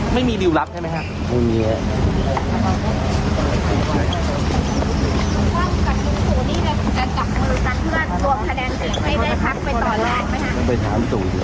ไม่มีดิวลับใช่ไหมฮะ